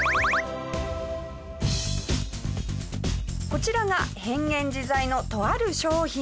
こちらが変幻自在のとある商品。